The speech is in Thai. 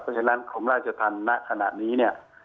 เพราะฉะนั้นกรมราชธรรมณขณะนี้เนี่ย